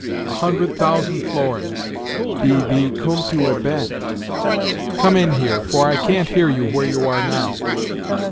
"A hundred thousand florins." "Bibi, comme tu es bête! Come in here, for I can't hear you where you are now.